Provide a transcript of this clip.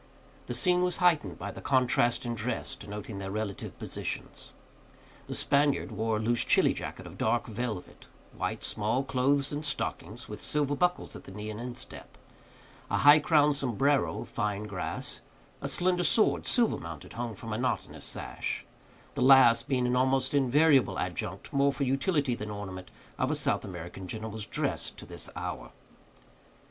The scene was heightened by, the contrast in dress, denoting their relative positions. The Spaniard wore a loose Chili jacket of dark velvet; white small clothes and stockings, with silver buckles at the knee and instep; a high crowned sombrero, of fine grass; a slender sword, silver mounted, hung from a knot in his sash—the last being an almost invariable adjunct, more for utility than ornament, of a South American gentleman's dress to this hour.